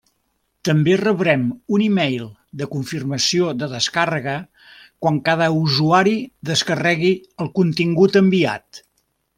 També rebrem un mail de confirmació de descàrrega quan cada usuari descarregui el contingut enviat.